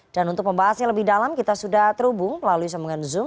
dan untuk pembahasnya lebih dalam kita sudah terhubung melalui sambungan zoom